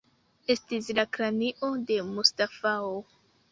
Estis la kranio de Mustafao.